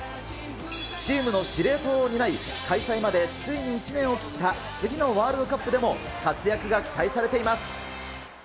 チームの司令塔を担い、開催までついに１年を切った次のワールドカップでも、活躍が期待されています。